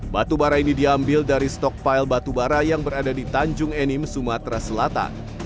batu bara ini diambil dari stok pile batu bara yang berada di tanjung enim sumatera selatan